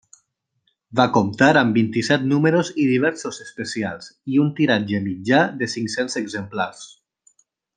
Va comptar amb vint-i-set números i diversos especials, i un tiratge mitjà de cinc-cents exemplars.